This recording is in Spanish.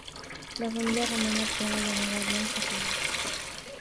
La familia romana arcaica era llamada gens o "clan".